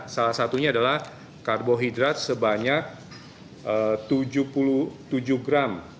salah satunya adalah karbohidrat sebanyak tujuh puluh tujuh gram